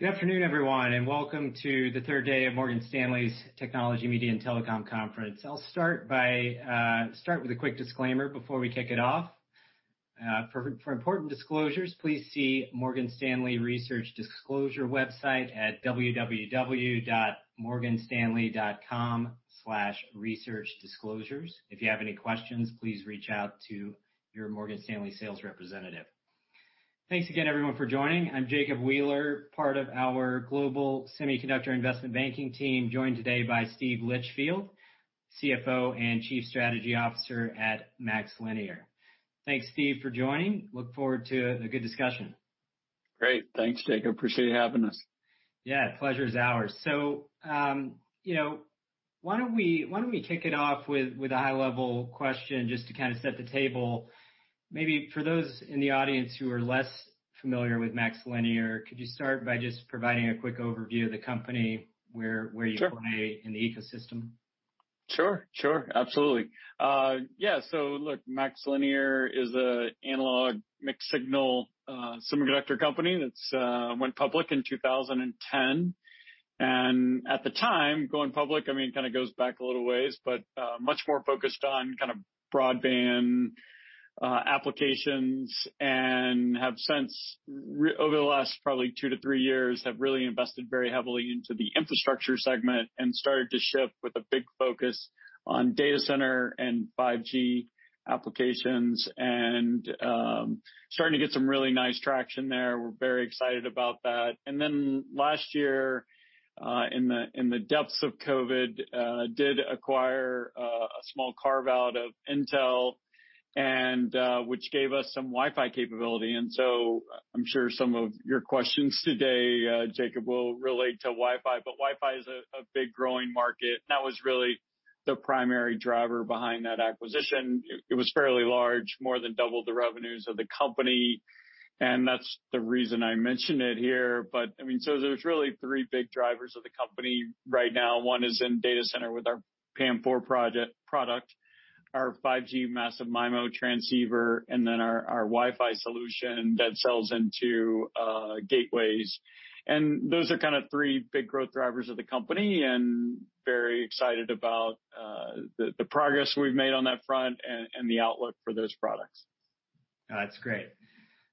Good afternoon, everyone, welcome to the third day of Morgan Stanley's Technology, Media and Telecom Conference. I'll start with a quick disclaimer before we kick it off. For important disclosures, please see Morgan Stanley Research Disclosure website at www.morganstanley.com/researchdisclosures. If you have any questions, please reach out to your Morgan Stanley sales representative. Thanks again, everyone, for joining. I'm Jacob Wheeler, part of our Global Semiconductor Investment Banking team, joined today by Steve Litchfield, CFO and Chief Strategy Officer at MaxLinear. Thanks, Steve, for joining. Look forward to a good discussion. Great. Thanks, Jacob. Appreciate you having us. Yeah, pleasure is ours. Why don't we kick it off with a high-level question just to kind of set the table. Maybe for those in the audience who are less familiar with MaxLinear, could you start by just providing a quick overview of the company. Sure you play in the ecosystem? Sure. Absolutely. Yeah. Look, MaxLinear is an analog mixed-signal semiconductor company that went public in 2010. At the time, going public, kind of goes back a little ways, but much more focused on kind of broadband applications, and have since, over the last probably two to three years, have really invested very heavily into the infrastructure segment and started to shift with a big focus on data center and 5G applications and starting to get some really nice traction there. We're very excited about that. Then last year, in the depths of COVID, did acquire a small carve-out of Intel, which gave us some Wi-Fi capability. So I'm sure some of your questions today, Jacob, will relate to Wi-Fi. Wi-Fi is a big growing market. That was really the primary driver behind that acquisition. It was fairly large, more than doubled the revenues of the company, and that's the reason I mention it here. There's really three big drivers of the company right now. One is in data center with our PAM4 product, our 5G massive MIMO transceiver, and then our Wi-Fi solution that sells into gateways. Those are kind of three big growth drivers of the company, and very excited about the progress we've made on that front and the outlook for those products. That's great.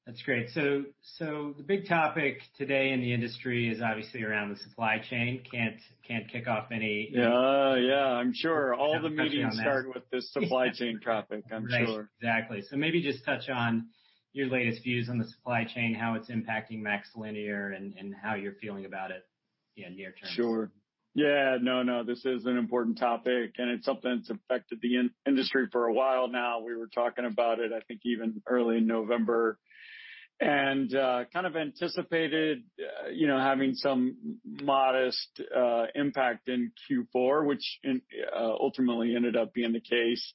The big topic today in the industry is obviously around the supply chain. Yeah, I'm sure. discussion on that. All the meetings start with this supply chain topic, I'm sure. Right. Exactly. Maybe just touch on your latest views on the supply chain, how it's impacting MaxLinear, and how you're feeling about it in near term. Sure. Yeah. No, this is an important topic, and it's something that's affected the industry for a while now. We were talking about it, I think, even early in November. Kind of anticipated having some modest impact in Q4, which ultimately ended up being the case.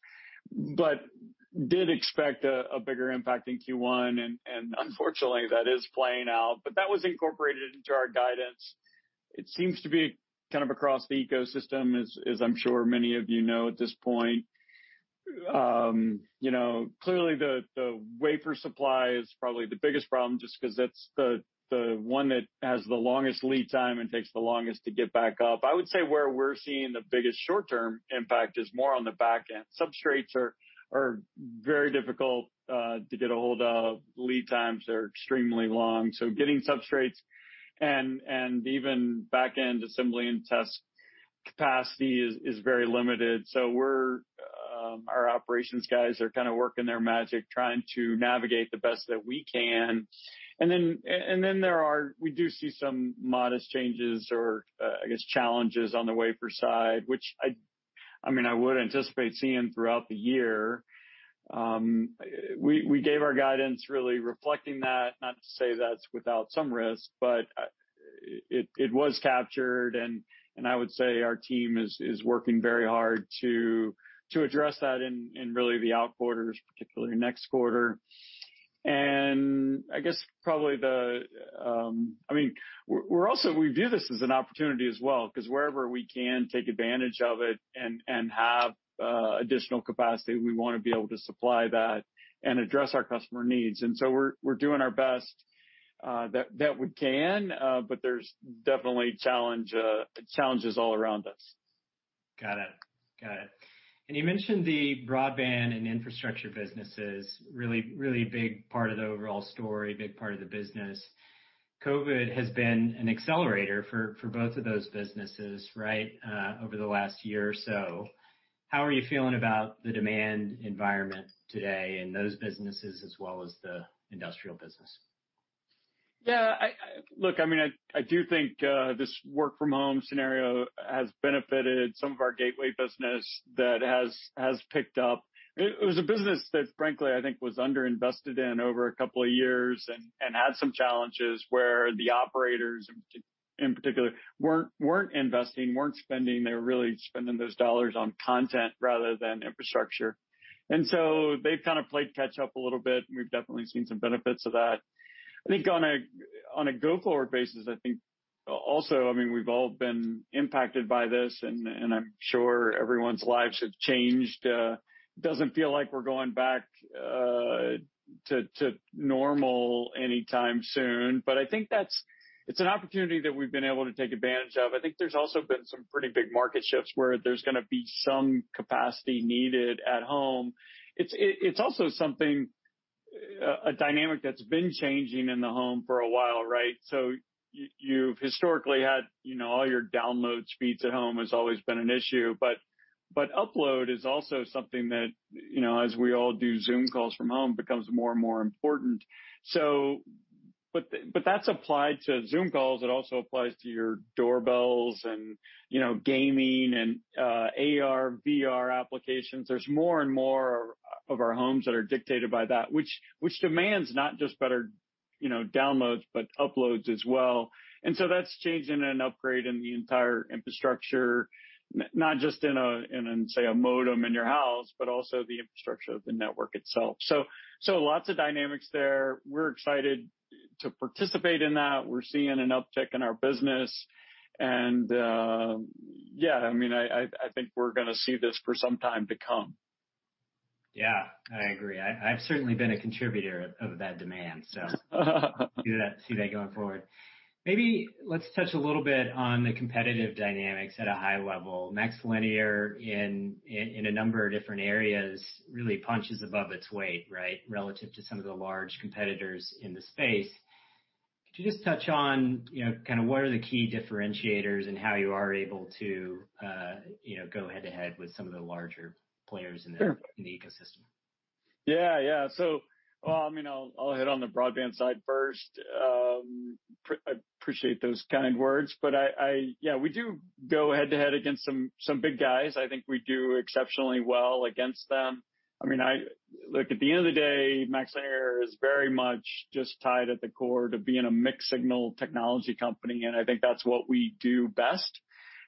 Did expect a bigger impact in Q1 and unfortunately, that is playing out. That was incorporated into our guidance. It seems to be kind of across the ecosystem, as I'm sure many of you know at this point. Clearly, the wafer supply is probably the biggest problem, just because that's the one that has the longest lead time and takes the longest to get back up. I would say where we're seeing the biggest short-term impact is more on the back end. Substrates are very difficult to get a hold of. Lead times are extremely long. Getting substrates and even back-end assembly and test capacity is very limited. Our operations guys are kind of working their magic, trying to navigate the best that we can. We do see some modest changes or, I guess, challenges on the wafer side, which, I would anticipate seeing throughout the year. We gave our guidance really reflecting that. Not to say that's without some risk, but it was captured and I would say our team is working very hard to address that in really the out quarters, particularly next quarter. We view this as an opportunity as well, because wherever we can take advantage of it and have additional capacity, we want to be able to supply that and address our customer needs. We're doing our best that we can, but there's definitely challenges all around us. Got it. You mentioned the broadband and infrastructure businesses, really big part of the overall story, big part of the business. COVID has been an accelerator for both of those businesses, right, over the last year or so. How are you feeling about the demand environment today in those businesses as well as the industrial business? Yeah. Look, I do think this work-from-home scenario has benefited some of our gateway business that has picked up. It was a business that frankly, I think was under-invested in over a couple of years and had some challenges where the operators, in particular, weren't investing, weren't spending. They were really spending those dollars on content rather than infrastructure. They've kind of played catch up a little bit, and we've definitely seen some benefits of that. I think on a go-forward basis, also, we've all been impacted by this, and I'm sure everyone's lives have changed. It doesn't feel like we're going back to normal anytime soon, but I think that's an opportunity that we've been able to take advantage of. I think there's also been some pretty big market shifts where there's going to be some capacity needed at home. It's also a dynamic that's been changing in the home for a while, right? You've historically had all your download speeds at home has always been an issue, but upload is also something that, as we all do Zoom calls from home, becomes more and more important. That's applied to Zoom calls. It also applies to your doorbells and gaming and AR/VR applications. There's more and more of our homes that are dictated by that, which demands not just better downloads, but uploads as well. That's changing and an upgrade in the entire infrastructure, not just in, say, a modem in your house, but also the infrastructure of the network itself. Lots of dynamics there. We're excited to participate in that. We're seeing an uptick in our business. Yeah, I think we're going to see this for some time to come. Yeah, I agree. I've certainly been a contributor of that demand, see that going forward. Maybe let's touch a little bit on the competitive dynamics at a high level. MaxLinear in a number of different areas really punches above its weight, right, relative to some of the large competitors in the space. Could you just touch on kind of what are the key differentiators and how you are able to go head-to-head with some of the larger players. Sure in the ecosystem? Yeah. I'll hit on the broadband side first. I appreciate those kind words, but we do go head-to-head against some big guys. I think we do exceptionally well against them. Look, at the end of the day, MaxLinear is very much just tied at the core to being a mixed signal technology company, and I think that's what we do best,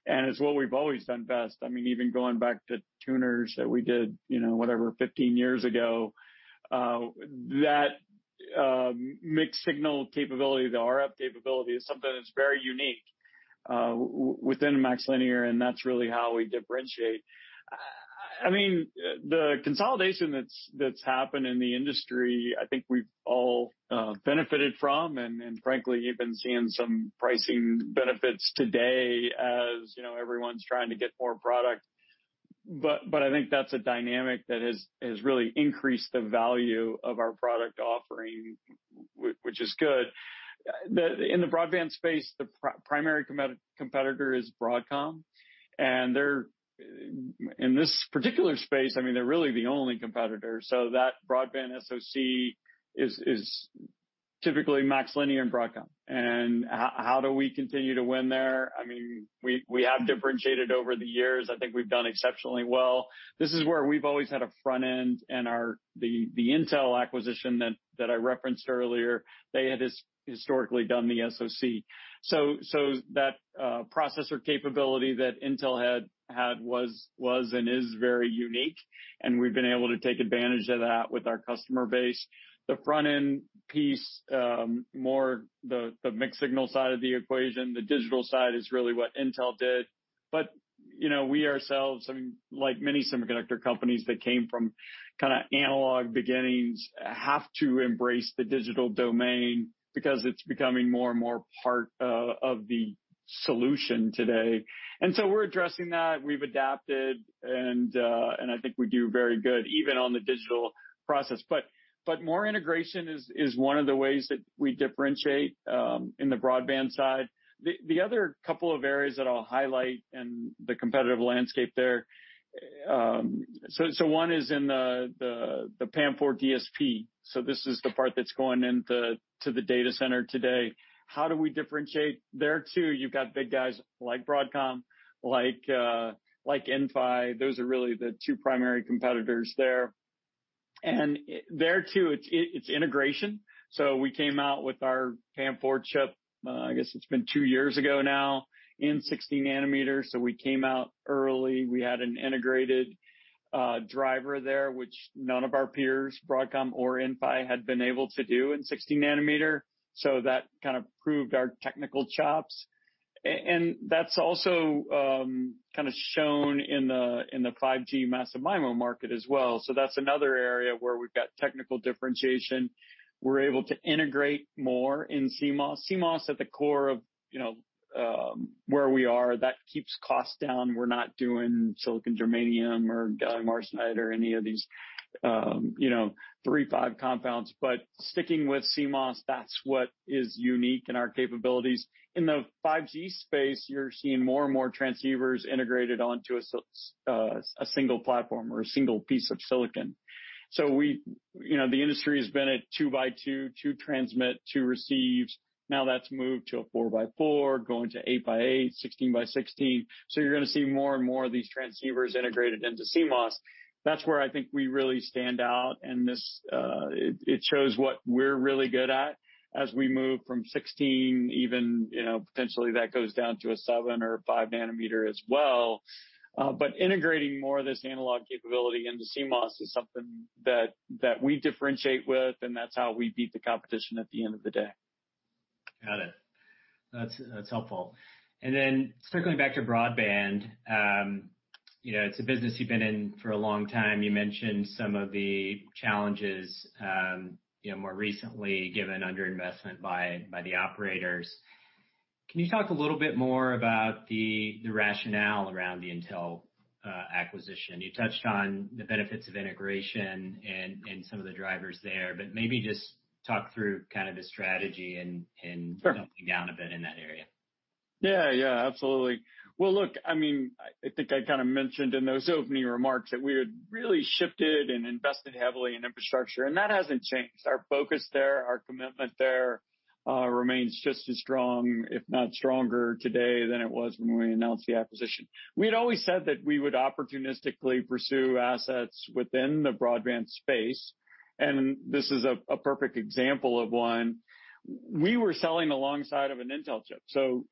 and it's what we've always done best. Even going back to tuners that we did, whatever, 15 years ago, that mixed signal capability, the RF capability, is something that's very unique within MaxLinear, and that's really how we differentiate. The consolidation that's happened in the industry, I think we've all benefited from, and frankly, you've been seeing some pricing benefits today as everyone's trying to get more product. I think that's a dynamic that has really increased the value of our product offering, which is good. In the broadband space, the primary competitor is Broadcom, and in this particular space, they're really the only competitor. That broadband SoC is typically MaxLinear and Broadcom. How do we continue to win there? We have differentiated over the years. I think we've done exceptionally well. This is where we've always had a front end and the Intel acquisition that I referenced earlier, they had historically done the SoC. That processor capability that Intel had was and is very unique, and we've been able to take advantage of that with our customer base. The front-end piece, more the mixed signal side of the equation. The digital side is really what Intel did. We ourselves, like many semiconductor companies that came from kind of analog beginnings, have to embrace the digital domain because it's becoming more and more part of the solution today. We're addressing that. We've adapted, and I think we do very good even on the digital process. More integration is one of the ways that we differentiate in the broadband side. The other couple of areas that I'll highlight in the competitive landscape there. One is in the PAM4 DSP. This is the part that's going into the data center today. How do we differentiate there, too? You've got big guys like Broadcom, like Inphi. Those are really the two primary competitors there. There, too, it's integration. We came out with our PAM4 chip, I guess it's been two years ago now, in 16 nanometers. We came out early. We had an integrated driver there, which none of our peers, Broadcom or Inphi, had been able to do in 16 nm. That kind of proved our technical chops. That's also kind of shown in the 5G massive MIMO market as well. That's another area where we've got technical differentiation. We're able to integrate more in CMOS. CMOS at the core of where we are, that keeps costs down. We're not doing silicon germanium or gallium arsenide or any of these III-V compounds. Sticking with CMOS, that's what is unique in our capabilities. In the 5G space, you're seeing more and more transceivers integrated onto a single platform or a single piece of silicon. The industry has been at two by two transmit, two receives. Now that's moved to a four by four, going to eight by eight, 16 by 16. You're going to see more and more of these transceivers integrated into CMOS. That's where I think we really stand out, and it shows what we're really good at as we move from 16 even, potentially that goes down to a 7 nm or a 5 nm as well. Integrating more of this analog capability into CMOS is something that we differentiate with, and that's how we beat the competition at the end of the day. Got it. That's helpful. Circling back to broadband. It's a business you've been in for a long time. You mentioned some of the challenges, more recently, given underinvestment by the operators. Can you talk a little bit more about the rationale around the Intel acquisition? You touched on the benefits of integration and some of the drivers there, but maybe just talk through the strategy. Sure doubling down a bit in that area. Absolutely. Well, look, I think I mentioned in those opening remarks that we had really shifted and invested heavily in infrastructure, and that hasn't changed. Our focus there, our commitment there, remains just as strong, if not stronger today than it was when we announced the acquisition. We had always said that we would opportunistically pursue assets within the broadband space, and this is a perfect example of one. We were selling alongside of an Intel chip.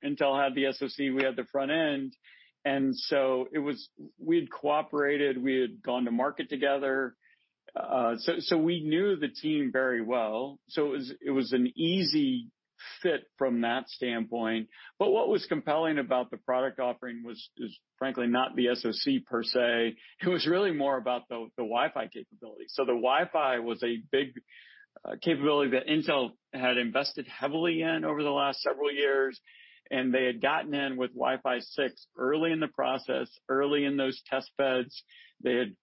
Intel had the SoC, we had the front end, and we had cooperated, we had gone to market together. We knew the team very well. It was an easy fit from that standpoint. What was compelling about the product offering was, frankly, not the SoC per se. It was really more about the Wi-Fi capability. The Wi-Fi was a big capability that Intel had invested heavily in over the last several years, and they had gotten in with Wi-Fi 6 early in the process, early in those testbeds. They had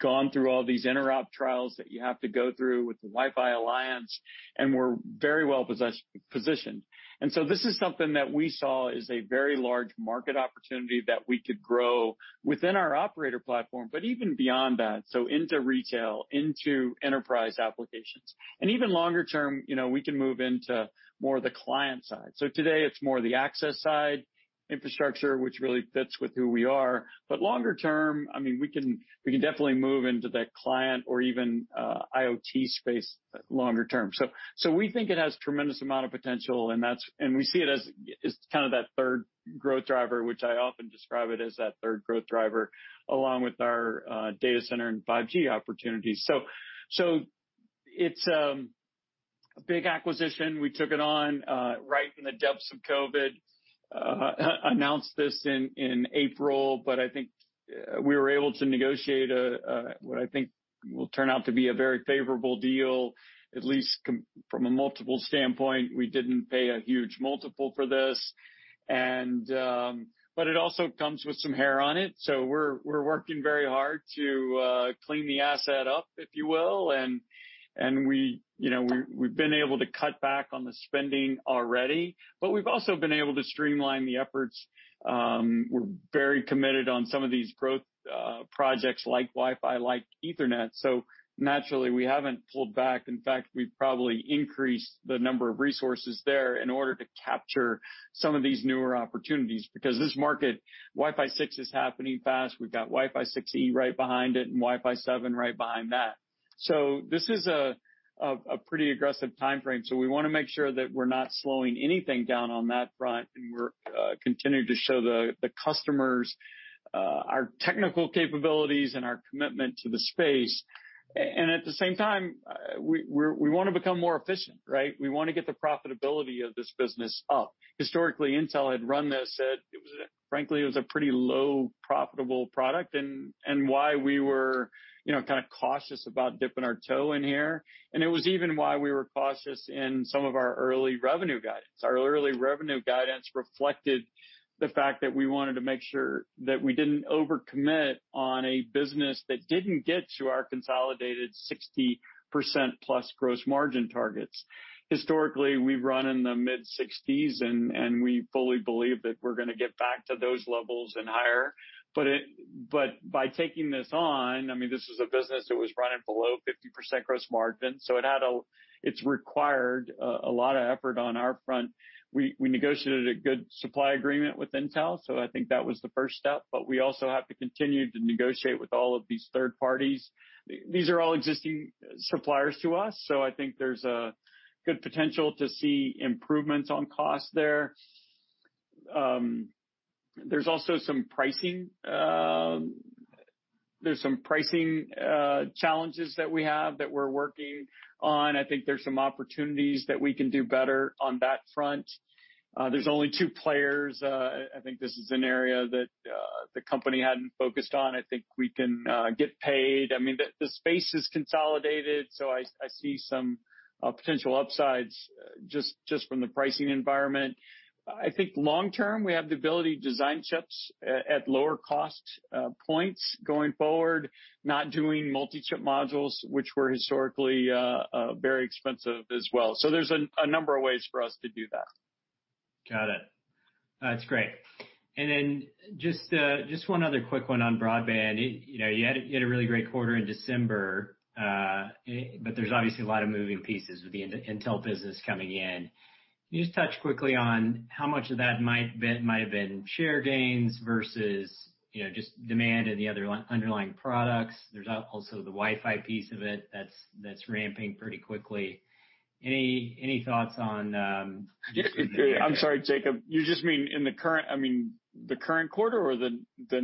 gone through all these interop trials that you have to go through with the Wi-Fi Alliance and were very well-positioned. This is something that we saw as a very large market opportunity that we could grow within our operator platform, but even beyond that, into retail, into enterprise applications. Even longer term, we can move into more of the client side. Today it's more the access side infrastructure, which really fits with who we are. Longer term, we can definitely move into that client or even IoT space longer term. We think it has tremendous amount of potential, and we see it as that third growth driver, which I often describe it as that third growth driver along with our data center and 5G opportunities. It's a big acquisition. We took it on right in the depths of COVID, announced this in April, I think we were able to negotiate a, what I think will turn out to be a very favorable deal, at least from a multiple standpoint. We didn't pay a huge multiple for this. It also comes with some hair on it, so we're working very hard to clean the asset up, if you will. We've been able to cut back on the spending already. We've also been able to streamline the efforts. We're very committed on some of these growth projects like Wi-Fi, like Ethernet. Naturally, we haven't pulled back. In fact, we've probably increased the number of resources there in order to capture some of these newer opportunities. This market, Wi-Fi 6 is happening fast. We've got Wi-Fi 6E right behind it and Wi-Fi 7 right behind that. This is a pretty aggressive timeframe. We want to make sure that we're not slowing anything down on that front, and we're continuing to show the customers our technical capabilities and our commitment to the space. At the same time, we want to become more efficient, right? We want to get the profitability of this business up. Historically, Intel had run this at, frankly, it was a pretty low profitable product and why we were cautious about dipping our toe in here. It was even why we were cautious in some of our early revenue guidance. Our early revenue guidance reflected the fact that we wanted to make sure that we didn't over-commit on a business that didn't get to our consolidated 60%+ gross margin targets. Historically, we've run in the mid-60s, and we fully believe that we're going to get back to those levels and higher. By taking this on, this was a business that was running below 50% gross margin, so it's required a lot of effort on our front. We negotiated a good supply agreement with Intel, so I think that was the first step. We also have to continue to negotiate with all of these third parties. These are all existing suppliers to us, so I think there's a good potential to see improvements on cost there. There's also some pricing challenges that we have that we're working on. I think there's some opportunities that we can do better on that front. There's only two players. I think this is an area that the company hadn't focused on. I think we can get paid. The space is consolidated, so I see some potential upsides just from the pricing environment. I think long term, we have the ability to design chips at lower cost points going forward, not doing multi-chip modules, which were historically very expensive as well. There's a number of ways for us to do that. Got it. That's great. Just one other quick one on broadband. You had a really great quarter in December. There's obviously a lot of moving pieces with the Intel business coming in. Can you just touch quickly on how much of that might have been share gains versus just demand in the other underlying products? There's also the Wi-Fi piece of it that's ramping pretty quickly. Any thoughts on? I'm sorry, Jacob. You just mean in the current quarter or the next? The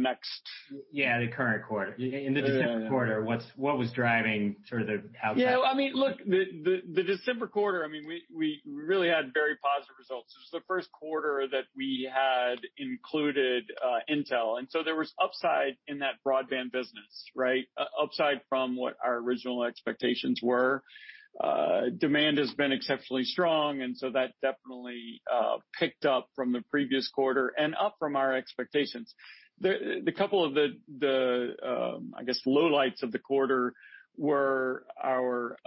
current quarter. Yeah. In the December quarter, what was driving sort of the outside? Look, the December quarter, we really had very positive results. It was the first quarter that we had included Intel, and so there was upside in that broadband business, right? Upside from what our original expectations were. Demand has been exceptionally strong, and so that definitely picked up from the previous quarter and up from our expectations. The couple of the lowlights of the quarter were our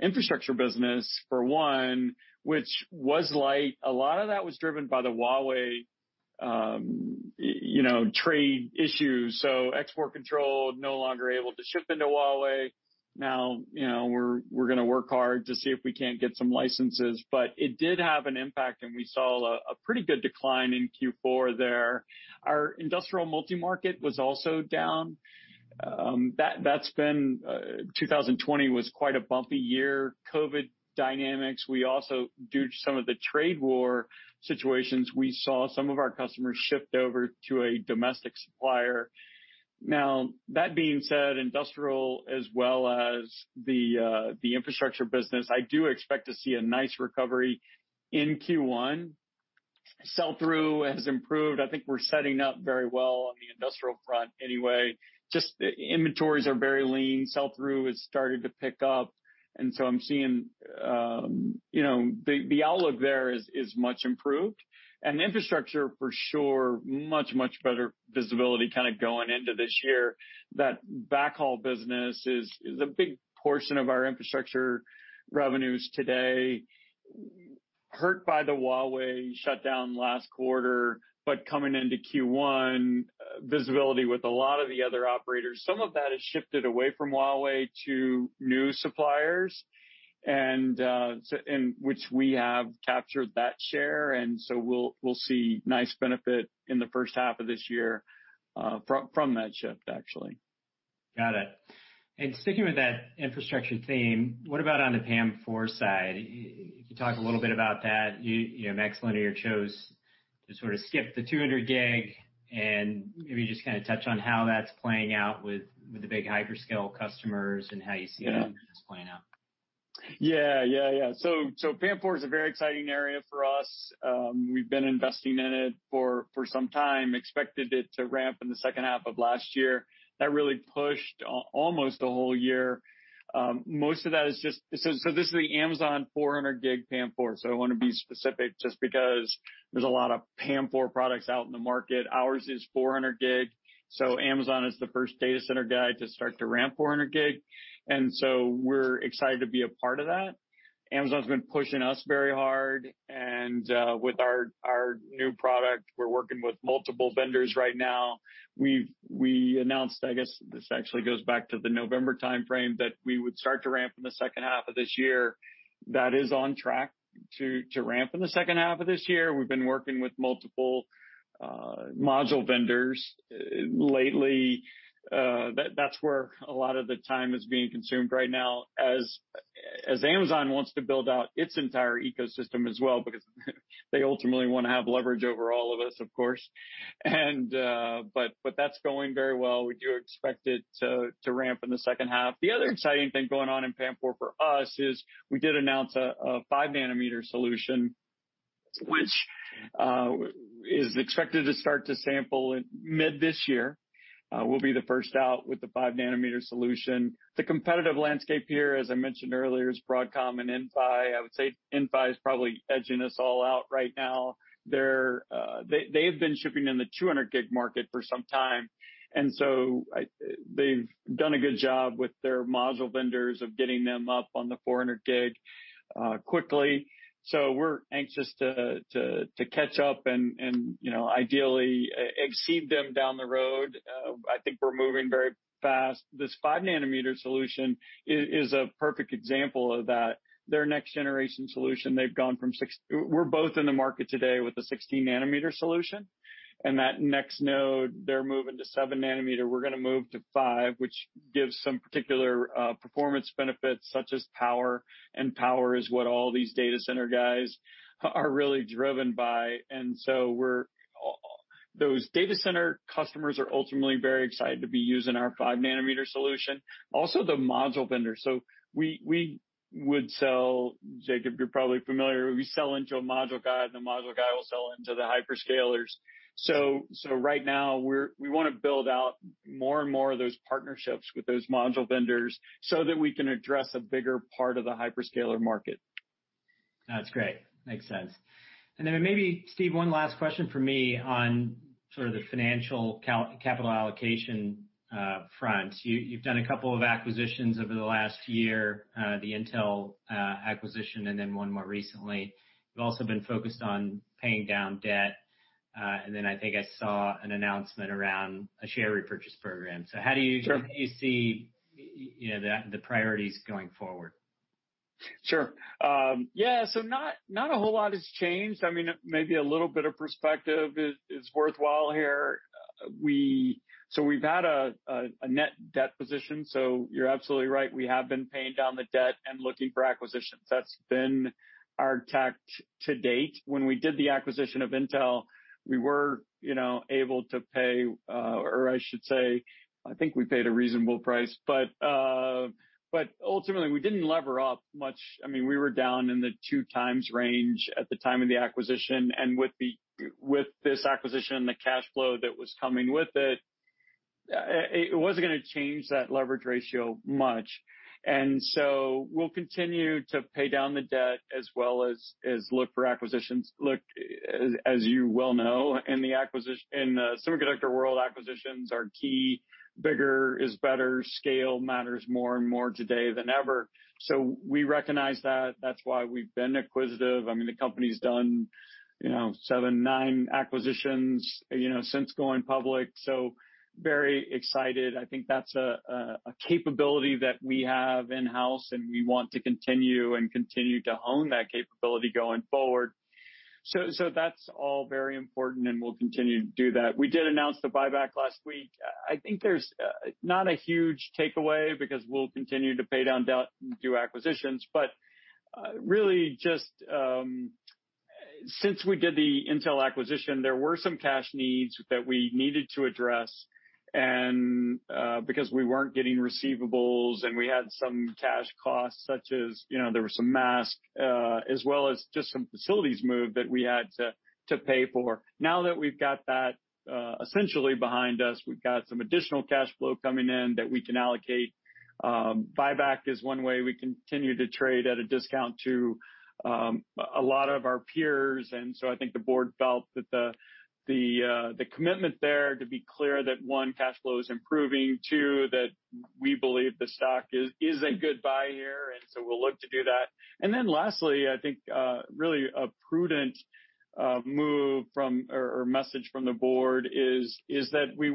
infrastructure business, for one, which was light. A lot of that was driven by the Huawei trade issues. Export control, no longer able to ship into Huawei. Now, we're going to work hard to see if we can't get some licenses, but it did have an impact, and we saw a pretty good decline in Q4 there. Our industrial multi-market was also down. 2020 was quite a bumpy year. COVID dynamics. Due to some of the trade war situations, we saw some of our customers shift over to a domestic supplier. That being said, industrial as well as the infrastructure business, I do expect to see a nice recovery in Q1. Sell-through has improved. I think we're setting up very well on the industrial front anyway. Just the inventories are very lean. Sell-through has started to pick up, and so I'm seeing the outlook there is much improved. Infrastructure for sure, much better visibility going into this year. That backhaul business is a big portion of our infrastructure revenues today. Hurt by the Huawei shutdown last quarter, but coming into Q1, visibility with a lot of the other operators. Some of that has shifted away from Huawei to new suppliers, which we have captured that share, and so we'll see nice benefit in the first half of this year from that shift, actually. Got it. Sticking with that infrastructure theme, what about on the PAM4 side? You talk a little bit about that. MaxLinear chose to sort of skip the 200G. Maybe just touch on how that's playing out with the big hyperscale customers and how you see that playing out. Yeah. PAM4 is a very exciting area for us. We've been investing in it for some time, expected it to ramp in the second half of last year. That really pushed almost a whole year. This is the Amazon 400G PAM4, so I want to be specific just because there's a lot of PAM4 products out in the market. Ours is 400G, Amazon is the first data center guy to start to ramp 400G, we're excited to be a part of that. Amazon's been pushing us very hard, and with our new product, we're working with multiple vendors right now. We announced, I guess this actually goes back to the November timeframe, that we would start to ramp in the second half of this year. That is on track to ramp in the second half of this year. We've been working with multiple module vendors lately. That's where a lot of the time is being consumed right now as Amazon wants to build out its entire ecosystem as well, because they ultimately want to have leverage over all of us, of course. That's going very well. We do expect it to ramp in the second half. The other exciting thing going on in PAM4 for us is we did announce a 5 nm solution, which is expected to start to sample mid this year. We'll be the first out with the 5 nm solution. The competitive landscape here, as I mentioned earlier, is Broadcom and Inphi. I would say Inphi is probably edging us all out right now. They've been shipping in the 200G market for some time, they've done a good job with their module vendors of getting them up on the 400G quickly. We're anxious to catch up and ideally exceed them down the road. I think we're moving very fast. This 5 nm solution is a perfect example of that. Their next generation solution, we're both in the market today with a 16 nm solution. That next node, they're moving to 7 nm. We're going to move to 5, which gives some particular performance benefits such as power. Power is what all these data center guys are really driven by. Those data center customers are ultimately very excited to be using our 5 nm solution, also the module vendors. We would sell, Jacob, you're probably familiar, we sell into a module guy. The module guy will sell into the hyperscalers. Right now, we want to build out more and more of those partnerships with those module vendors so that we can address a bigger part of the hyperscaler market. That's great. Makes sense. Maybe, Steve, one last question from me on sort of the financial capital allocation front. You've done a couple of acquisitions over the last year, the Intel acquisition and then one more recently. You've also been focused on paying down debt. I think I saw an announcement around a share repurchase program. Sure. How do you see the priorities going forward? Sure. Yeah, not a whole lot has changed. Maybe a little bit of perspective is worthwhile here. We've had a net debt position, so you're absolutely right. We have been paying down the debt and looking for acquisitions. That's been our tact to date. When we did the acquisition of Intel, we were able to pay, or I should say, I think we paid a reasonable price. Ultimately, we didn't lever up much. We were down in the two times range at the time of the acquisition. With this acquisition, the cash flow that was coming with it wasn't going to change that leverage ratio much. We'll continue to pay down the debt as well as look for acquisitions. Look, as you well know, in the semiconductor world, acquisitions are key. Bigger is better. Scale matters more and more today than ever. We recognize that. That's why we've been acquisitive. The company's done seven, nine acquisitions since going public, very excited. I think that's a capability that we have in-house, and we want to continue to hone that capability going forward. That's all very important, and we'll continue to do that. We did announce the buyback last week. I think there's not a huge takeaway because we'll continue to pay down debt and do acquisitions. Really just since we did the Intel acquisition, there were some cash needs that we needed to address, and because we weren't getting receivables, and we had some cash costs, such as there were some mask, as well as just some facilities move that we had to pay for. Now that we've got that essentially behind us, we've got some additional cash flow coming in that we can allocate. Buyback is one way we continue to trade at a discount to a lot of our peers. I think the board felt that the commitment there to be clear that, one, cash flow is improving, two, that we believe the stock is a good buy here, and so we'll look to do that. Lastly, I think, really a prudent move or message from the board is that we've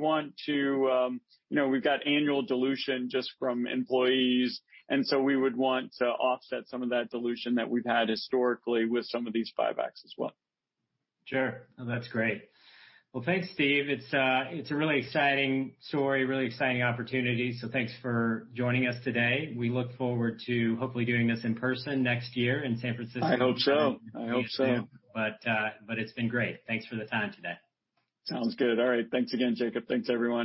got annual dilution just from employees, and so we would want to offset some of that dilution that we've had historically with some of these buybacks as well. Sure. No, that's great. Thanks, Steve. It's a really exciting story, really exciting opportunity, thanks for joining us today. We look forward to hopefully doing this in person next year in San Francisco. I hope so. It's been great. Thanks for the time today. Sounds good. All right. Thanks again, Jacob. Thanks, everyone.